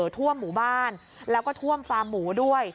ท่วมหมู่บ้านแล้วก็ท่วมฟาร์มหมูด้วย